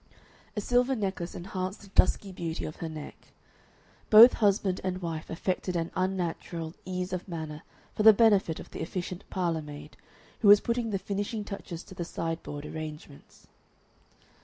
A silver necklace enhanced the dusky beauty of her neck. Both husband and wife affected an unnatural ease of manner for the benefit of the efficient parlor maid, who was putting the finishing touches to the sideboard arrangements.